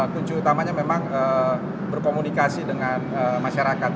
kunci utamanya memang berkomunikasi dengan masyarakat